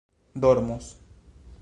dormos